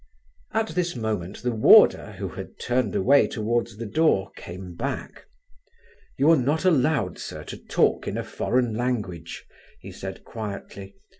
At this moment the warder, who had turned away towards the door, came back. "You are not allowed, sir, to talk in a foreign language," he said quietly.